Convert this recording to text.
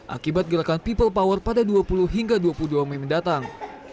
akibat gerakan people power pada dua puluh hingga dua puluh dua mei mendatang